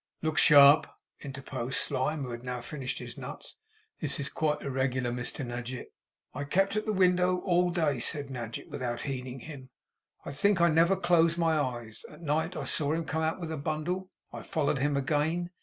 'Look sharp!' interposed Slyme, who had now finished his nuts. 'This is quite irregular, Mr Nadgett.' 'I kept at the window all day,' said Nadgett, without heeding him. 'I think I never closed my eyes. At night, I saw him come out with a bundle. I followed him again.